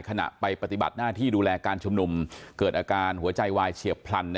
ขณะไปปฏิบัติหน้าที่ดูแลการชุมนุมเกิดอาการหัวใจวายเฉียบพลัน